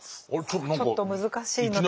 ちょっと難しいので。